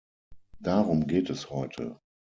Darum geht es heute.